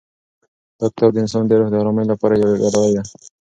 دا کتاب د انسان د روح د ارامۍ لپاره یوه ډالۍ ده.